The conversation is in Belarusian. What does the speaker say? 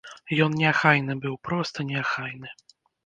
Ён неахайны быў, проста неахайны.